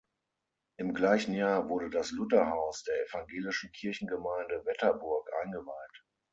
Im gleichen Jahr wurde das „Lutherhaus“ der evangelischen Kirchengemeinde Wetterburg eingeweiht.